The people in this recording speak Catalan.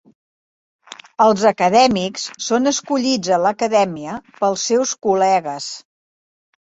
Els acadèmics són escollits a l'acadèmia pels seus col·legues.